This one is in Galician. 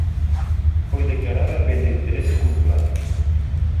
Foi declarada Ben de Interese Cultural.